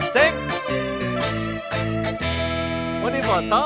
cik mau diboto